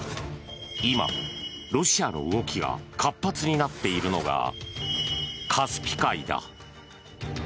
今、ロシアの動きが活発になっているのがカスピ海だ。